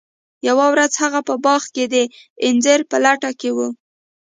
یوه ورځ هغه په باغ کې د انځر په لټه کې و.